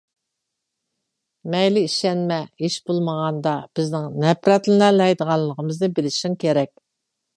مەيلى ئىشەنمە، ھېچبولمىغاندا بىزنىڭ نەپرەتلىنەلەيدىغىنىمىزنى بىلىشىڭ كېرەك.